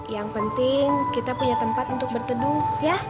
yang penting kita punya tempat untuk berteduh ya